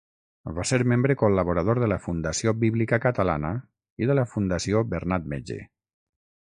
Va ser membre col·laborador de la Fundació Bíblica Catalana i de la Fundació Bernat Metge.